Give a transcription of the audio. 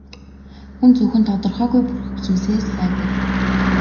Хүн зөвхөн тодорхойгүй бүрхэг зүйлсээс л айдаг.